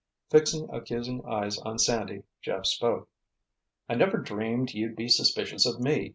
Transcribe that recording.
Fixing accusing eyes on Sandy, Jeff spoke: "I never dreamed you'd be suspicious of me!